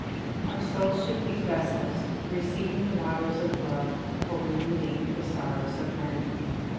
OUR souls should be vessels receiving The waters of love for relieving The sorrows of men.